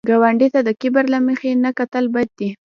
ګاونډي ته د کبر له مخې نه کتل بد دي